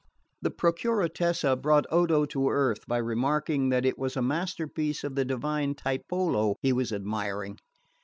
The Procuratessa brought Odo to earth by remarking that it was a master piece of the divine Tiepolo he was admiring.